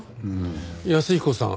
安彦さん